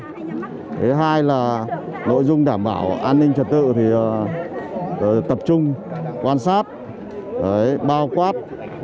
thứ hai là nội dung đảm bảo an ninh trẻ tự tập trung quan sát bao quát